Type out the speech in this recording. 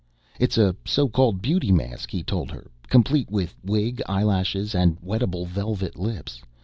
"It's a so called beauty mask," he told her, "complete with wig, eyelashes, and wettable velvet lips.